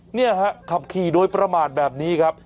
เนี่ยฮะขับขี่โดยประมาทแบบนี้ครับ